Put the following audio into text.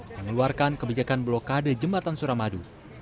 mengeluarkan kebijakan blokade jembatan suramadu